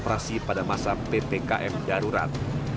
mereka beroperasi pada masa ppkm darurat